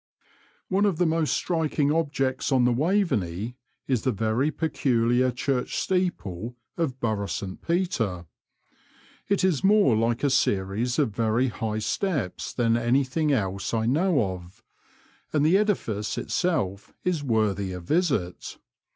One of the most striking objects on the Waveney is the very peculiar church steeple of Burgh St Peter. It is more like a series of very high steps than anything else I know of, and the edifice itself is worthy a visit.